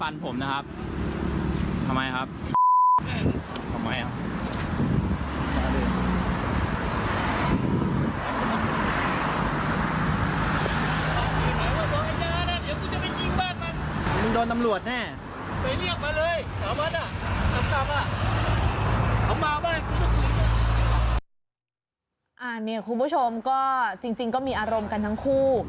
คุณผู้ชมก็จริงก็มีอารมณ์กันทั้งคู่